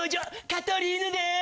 カトリーヌです。